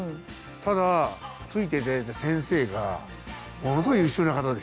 ただついて頂いた先生がものすごい優秀な方でした。